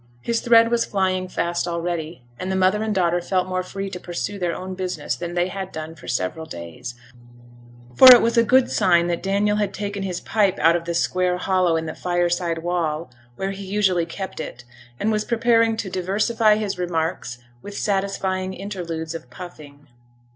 His thread was flying fast already, and the mother and daughter felt more free to pursue their own business than they had done for several days; for it was a good sign that Daniel had taken his pipe out of the square hollow in the fireside wall, where he usually kept it, and was preparing to diversify his remarks with satisfying interludes of puffing.